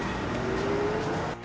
kepala kepala kepala